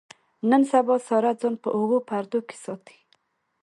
نن سبا ساره ځان په اوو پردو کې ساتي.